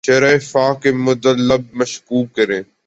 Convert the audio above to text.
شرح فراق مدح لب مشکبو کریں